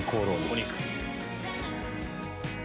お肉。